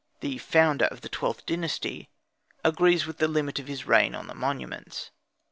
the founder of the XIIth Dynasty agrees with the limit of his reign on the monuments.